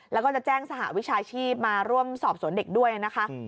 แล้วก็จะแจ้งสหวิชาชีพมาร่วมสอบสวนเด็กด้วยนะคะ